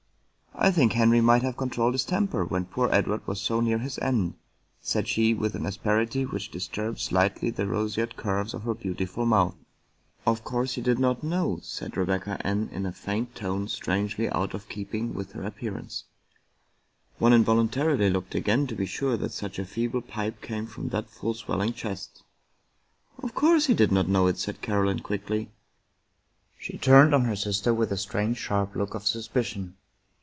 " I think Henry might have controlled his temper, when poor Edward was so near his end," said she with an asperity which disturbed slightly the roseate curves of her beautiful mouth. " Of course he did not know" murmured Rebecca Ann 47 American Mystery Stories in a faint tone strangely out of keeping with her appear ance. One invokintarily looked again to be sure that such a feeble pipe came from that full swelling chest. " Of course he did not know it," said Caroline quickly. She turned on her sister with a strange sharp look of sus picion.